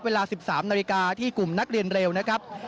เวลา๑๓นาฬิกาที่กลุ่มนักเรียนเร็วนะครับ